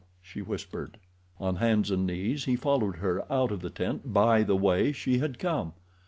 she whispered. On hands and knees he followed her out of the tent by the way she had come.